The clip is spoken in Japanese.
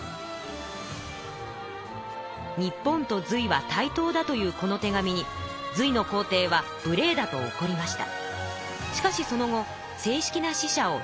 「日本と隋は対等だ」というこの手紙に隋の皇帝は「無礼だ」と怒りました。